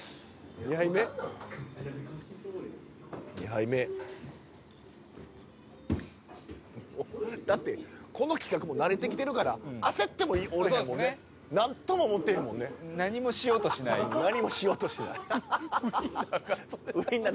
２杯目だってこの企画も慣れてきてるから焦ってもおれへんもんね何とも思ってへんもんね何もしようとしないウインナー